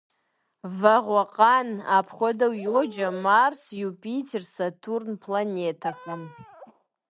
Вагъуэкъан – апхуэдэу йоджэ Марс, Юпитер, Сатурн планетэхэм.